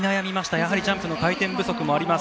やはりジャンプの回転不足もあります。